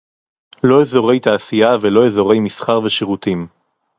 לא אזורי תעשייה ולא אזורי מסחר ושירותים